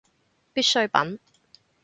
必需品